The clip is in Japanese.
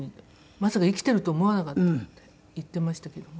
まさか生きてると思わなかったって言ってましたけども。